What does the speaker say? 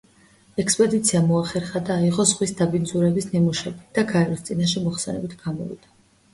ექსპედიციამ მოახერხა და აიღო ზღვის დაბინძურების ნიმუშები და გაეროს წინაშე მოხსენებით გამოვიდა.